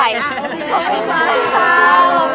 ไม่ต้องเป็นห่วงค่ะ